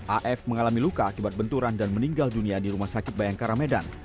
af mengalami luka akibat benturan dan meninggal dunia di rumah sakit bayangkara medan